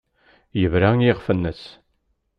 Yebra i yiɣef-nnes.